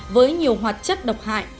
với nhiều hoạt chất độc hại